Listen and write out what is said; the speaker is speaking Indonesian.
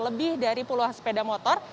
lebih dari puluhan sepeda motor